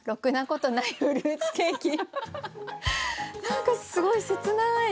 何かすごい切ない。